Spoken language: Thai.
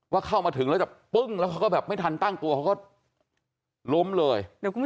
ว่าเข้ามาถึงแล้วจะปุ้องแล้วเขาก็แบบไม่ทันตั้งตัวเขาก็ล้มเลยเดี๋ยวคุณผู้